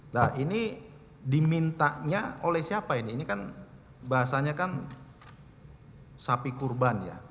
nah ini dimintanya oleh siapa ini ini kan bahasanya kan sapi kurban ya